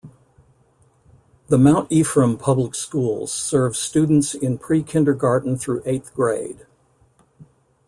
The Mount Ephraim Public Schools serve students in pre-kindergarten through eighth grade.